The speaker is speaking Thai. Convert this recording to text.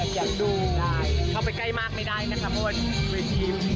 เจ้าไปใกล้มากไม่ได้นะครับพวก